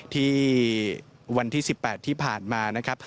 ที่วันที่๑๘ที่ผ่านมา